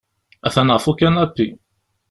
Atan ɣef ukanapi.